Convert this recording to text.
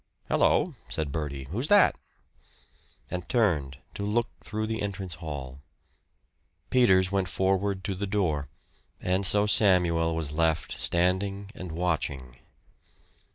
"Hello," said Bertie. "Who's that?" and turned to look through the entrance hall. Peters went forward to the door; and so Samuel was left standing and watching.